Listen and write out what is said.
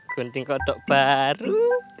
gunting kotak baru